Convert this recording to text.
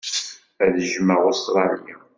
Ad jjmeɣ Ustṛalya.